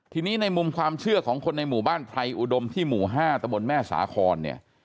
ทีนี้ในมุมความเชื่อของคนในหมู่บ้านไพรอุดมที่หมู่๕ตะบนแม่สาครเนี่ย